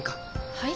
はい？